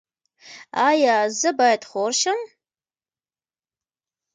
ایا زه باید خور شم؟